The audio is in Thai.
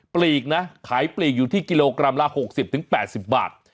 ปลีกนะขายปลีกอยู่ที่กิโลกรัมละ๖๐๘๐บาท